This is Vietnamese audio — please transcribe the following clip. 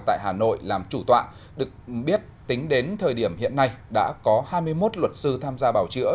tại hà nội làm chủ tọa được biết tính đến thời điểm hiện nay đã có hai mươi một luật sư tham gia bảo chữa